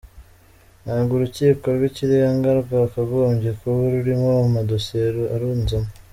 Ntabwo urukiko rw’ikirenga rwakagombye kuba rurimo amadosiye arunzemo.